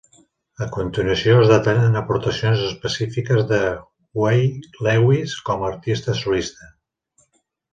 A continuació, es detallen aportacions específiques de Huey Lewis com a artista solista.